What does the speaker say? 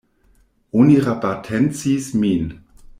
Oni rabatencis min!